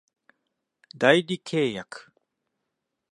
代理契約